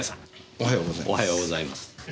おはようございます。